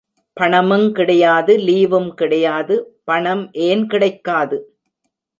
பணமுங் கிடையாது லீவும் கிடையாது. பணம் ஏன் கிடைக்காது?